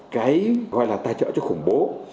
cái gọi là tài trợ cho khủng bố